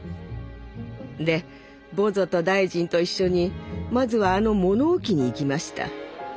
でボゾと大臣と一緒にまずはあの物置に行きました。